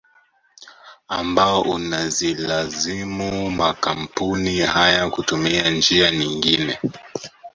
Ambao unazilazimu makampuni haya kutumia njia nyingine